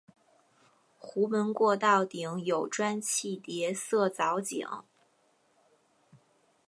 壸门过道顶有砖砌叠涩藻井。